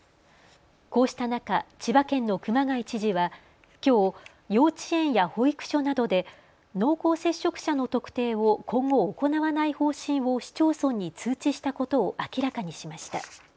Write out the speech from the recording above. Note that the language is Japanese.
こうした中、千葉県の熊谷知事はきょう幼稚園や保育所などで濃厚接触者の特定を今後行わない方針を市町村に通知したことを明らかにしました。